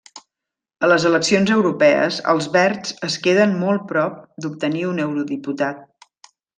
A les eleccions europees Els Verds es queden molt prop d'obtenir un eurodiputat.